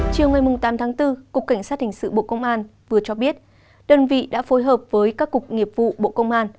chiều ngày tám tháng bốn cục cảnh sát hình sự bộ công an vừa cho biết đơn vị đã phối hợp với các cục nghiệp vụ bộ công an